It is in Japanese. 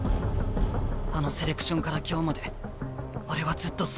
あのセレクションから今日まで俺はずっとそう思ってる。